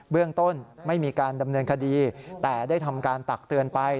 เรื่องต้นไม่มีการดำเนินคดีแต่ได้ทำการตักเตือนไป